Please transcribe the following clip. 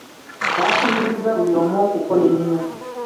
Baakubiriza buli omu okukola ennyo.